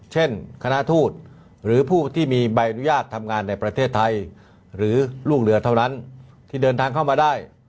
เช่นคณะทูตหรือผู้ที่มีใบอนุญาตทำงานในประเทศไทยหรือลูกเรือเท่านั้นที่เดินทางเข้ามาได้